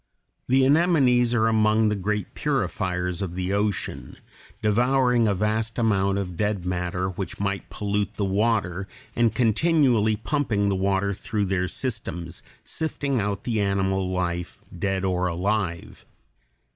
The anemones are among the great purifiers of the ocean, devouring a vast amount of dead matter which might pollute the water, and continually pumping the water through their systems, sifting out the animal life, dead or alive.